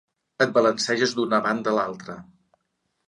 Et balanceges d'una banda a l'altra.